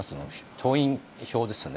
党員票ですね。